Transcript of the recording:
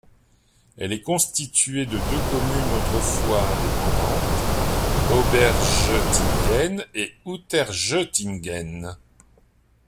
Elle est constituée de deux communes autrefois indépendantes, Oberjettingen et Unterjettingen.